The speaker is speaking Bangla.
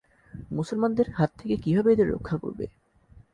মুসলমানদের হাত থেকে কিভাবে এদের রক্ষা করবে?